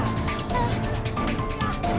ayah gimana ya ampun